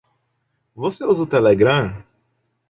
Você usa o Telegram?